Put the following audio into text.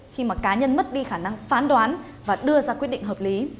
khi mà cá nhân mất đi khả năng phán đoán và đưa ra quyết định hợp lý